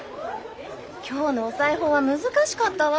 今日のお裁縫は難しかったわ！